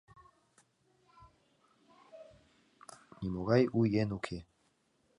Нимогай у йӧн уке.